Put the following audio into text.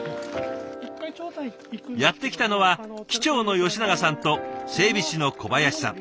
やって来たのは機長の吉長さんと整備士の小林さん。